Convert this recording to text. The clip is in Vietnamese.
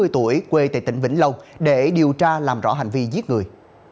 bốn mươi tuổi quê tại tỉnh vĩnh lông để điều tra làm rõ hành vi giết người